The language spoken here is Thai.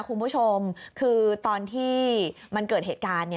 คุณผู้ชมคือตอนที่มันเกิดเหตุการณ์